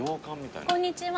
こんにちは。